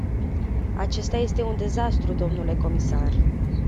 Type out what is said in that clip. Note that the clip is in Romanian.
Acesta este un dezastru, domnule comisar!